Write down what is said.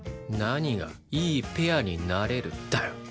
何が「いいペアになれる」だよ。